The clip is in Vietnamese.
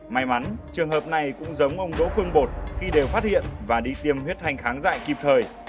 may mắn trường hợp này cũng giống ông đỗ phương bột khi đều phát hiện và đi tiêm huyết thanh kháng dại kịp thời